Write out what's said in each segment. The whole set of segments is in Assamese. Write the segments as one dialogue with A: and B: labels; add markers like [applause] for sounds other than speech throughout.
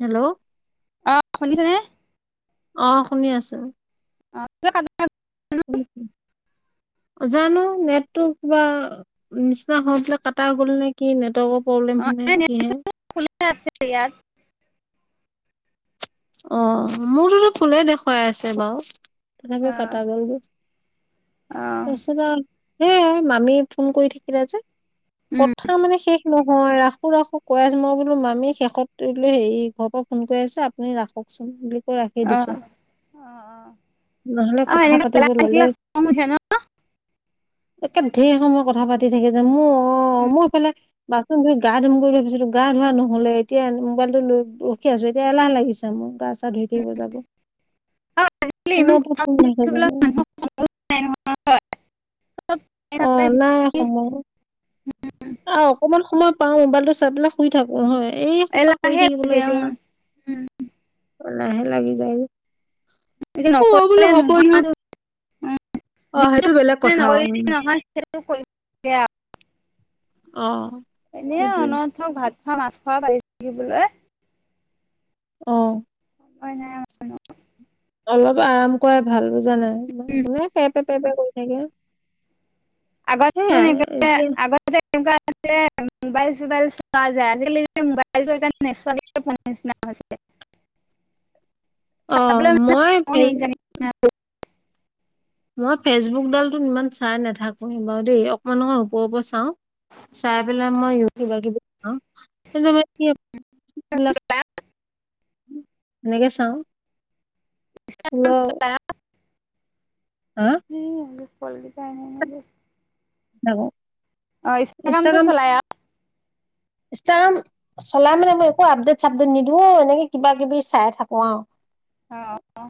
A: হেল্ল'
B: আহ শুনিছেনে
A: অ শুনি আছো
B: অ
A: কক জানো নেটটো কিবা নিচিনা হৈ পাই কটা গ'ল নে কি নেটৰ্কৰ
B: অ
A: প্ৰব্লেমে নে
B: এই
A: কিহে
B: [unintelligible]
A: অ মোৰতোতো ফুলেই দেখুৱাই আছে বাৰু
B: অ
A: তথাপি কটা গল ন
B: অ
A: সেয়াই মামী ফোন কৰি থাকিলে যে
B: উম
A: কথা মানে শেষ নহয় ৰাখো ৰাখো কৈ আছো মই বোলো মামী শেষতলো হেৰি ঘৰৰ পৰা ফোন কৰি আছে আপুনি ৰাখকচোন বুলি কৈ ৰাখি
B: অ
A: দিছো
B: অ
A: নহ'লে
B: আহ
A: কথা পাতিব
B: এনেকে
A: ল'লে
B: খং উঠে ন
A: একে ঢেৰ সময় কথা পাতি থাকে যে ম অ
B: উম
A: মই এইফালে বাচন ধুই গা ধুম গৈ ভাবিছিলো গা ধু ধোৱা নহলে এতিয়া মোবাইল টো লৈ ৰখি আছো এতিয়া এলাহ লাগিছে মোৰ গা ছা ধুই থাকিব যাব
B: আৰু আজিকালি ইমান
A: দিনতো
B: কথা
A: ফোন
B: পাতি
A: মাৰি থাকে
B: থাকিবলৈ
A: অ
B: মানুহৰ [unintelligible]
A: অ নাই সময় আৰু অকমান সময় পাও মোবাইলটো চাই পেলাই শুই থাকো হয় এই সোপা কৰি
B: এলাহে
A: থাকিবলৈ
B: লাগে অ
A: এতিয়া
B: উম
A: এলাহে লাগি যায় অ
B: যদি
A: বোলো
B: নকৰিলে
A: হ'ব দিয়ক
B: নোহোৱাটো উম
A: অ' সেইটো
B: যিটো
A: বেলেগ কথা অ'
B: নকৰিলে নহয় সেইটো কৰিব লাগে আও
A: অ
B: এনে আও
A: সেইটোৱে
B: ন ভাত খোৱা মাছ খোৱা পাতি থাকিবলৈ
A: অ
B: উপায় নাই অন
A: অলপ আৰাম কৰাই ভাল বুজা নাই
B: উম
A: কোনে পেপে পেপে কৰি থাকে। সেয়াই
B: আগতে
A: এতিয়া
B: আগতে তেনেকুৱা যে মোবাইল চোবাইল চোৱা যায় আজিকালি মোবাইলটো নোচোৱা নিচিনা হয় চাবলে
A: অ',
B: মন
A: মই ফেচ
B: নোজোৱা নিচিনা হৈছে
A: মই ফেচবুকডালটো ইমান চাই নাথাকো বাৰু দেই অকমান অকমান ওপৰে ওপৰে চাওঁ চাই পেলাই মই ইউটিউবত কিবা কিবি চাঁও এইবিলাক সেনেকে চাওঁ ফুল
B: উ [unintelligible] ম আ ফল বি পাই ন এনোজ
A: নব
B: অ ইনষ্টাগ্ৰামতো চলাই আ
A: ইনষ্টাগ্রাম চলা মানে মই একো আপডেট চাপডেট নিদো অ এনেকে কিবা কিবি চাই থাকো আও
B: অ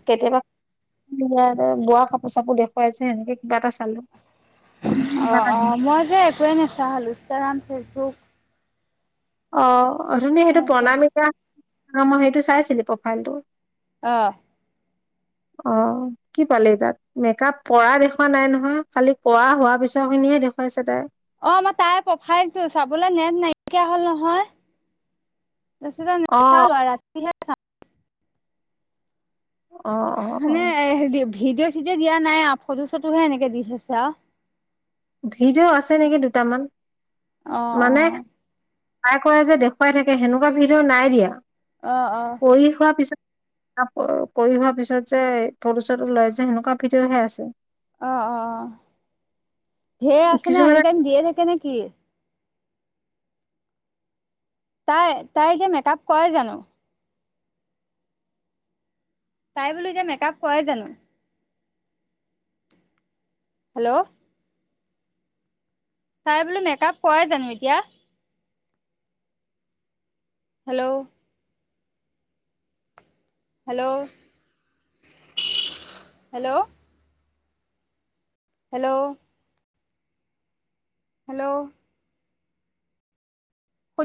A: এইয়া বোৱা কাপোৰ চাপোৰ দেখুৱাই যে সেনেকে কিবা এটা চালো।
B: অ
A: কিবা এটা
B: অ
A: দিম।
B: মই যে একোৱে নোচোৱা হলো ইনষ্টাগ্ৰাম ফেচবুক
A: অ অ অঠনি
B: একোৱে
A: সেইটো
B: নেচোৱা হলো
A: প্ৰণামিকা মই সেইটো চাইছিলো প্ৰফাইলটো
B: অঁ
A: অ কি পালি তাত মেকআপ কৰা দেখুুৱা নাই নহয় খালি কৰা হোৱা পিছ খিনিহে দেখুৱাইছে তাই
B: অ মই তাই প্ৰফাইলটো চাবলে নেট নাইকিয়া হল নহয় তাৰপিছতে
A: অ
B: নাচালোআও ৰাতিহে চালো [unintelligible]
A: অ অ
B: মানে
A: অ',
B: ভিডিঅ' চিডিঅ' দিয়া নাই আৰু ফটো চটোহে এনেকে দি থৈছে আৱ
A: ভিডিঅ আছে নেকি দুটামান মানে
B: অ',
A: নাই কৰা যে দেখুৱাই থাকে সেনেকুৱা ভিডিঅ নাই দিয়া
B: অ',
A: কৰি হোৱা পিছত কৰি হোৱাৰ পিছত যে ফটো চটো লয় যে সেনেকুৱা ভিডিঅহে আছে
B: অ অ অ ঢেৰ আছে নে এনি
A: কিছুমানে
B: টাইম দিয়ে থাকে নে কি তাই তাই যে মেকআপ কৰে জানো তাই বোলো এতিয়া মেকাআপ কৰে জানো হেল্ল তাই বোলো মেকাপ কৰে জানো এতিয়া hello. Hello hello. Hello. Hello. শুনি